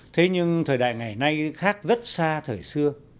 thế nhưng thời đại ngày nay khác rất xa thời xưa